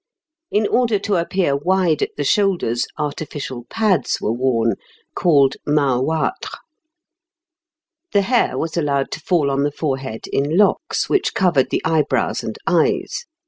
In order to appear wide at the shoulders artificial pads were worn, called mahoitres. The hair was allowed to fall on the forehead in locks, which covered the eyebrows and eyes.